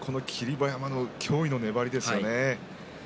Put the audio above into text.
馬山の驚異の粘りですよね。